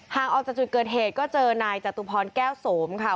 ออกจากจุดเกิดเหตุก็เจอนายจตุพรแก้วโสมค่ะ